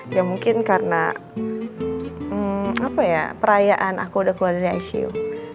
ya mungkin karena perayaan aku udah keluar dari icu